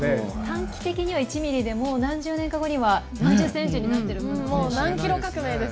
短期的には１ミリでも何十年か後には何十センチになってる可能性がある。